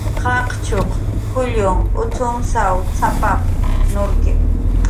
"Qaqchuq k""ullun ucx""unsaw cx""apap"" nurki"